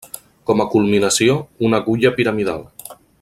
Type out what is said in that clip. Com a culminació, una agulla piramidal.